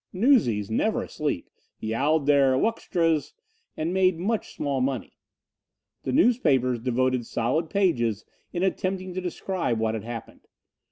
Newsies, never asleep, yowled their "Wuxtras" and made much small money. The newspapers devoted solid pages in attempting to describe what had happened.